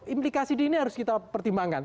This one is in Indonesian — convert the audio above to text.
implikasi di ini harus kita pertimbangkan